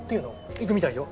行くみたいよ。